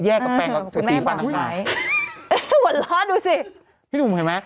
แยกกับแปลงกับสีฟันต่างห่างเห้ยหวัดล้อดดูสิพี่หนูเห็นไหม